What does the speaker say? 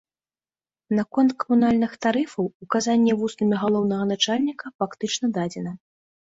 Наконт камунальных тарыфаў указанне вуснамі галоўнага начальніка фактычна дадзена.